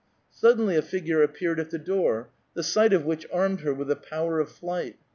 Suddenly a figure appeared at the door, the sight of which armed her with the power of flight.